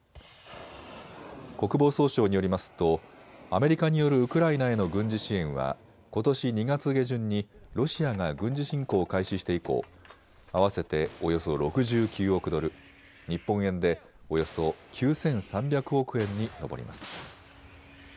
国防総省によりますとアメリカによるウクライナへの軍事支援は、ことし２月下旬にロシアが軍事侵攻を開始して以降、合わせておよそ６９億ドル、日本円でおよそ９３００億円に上ります。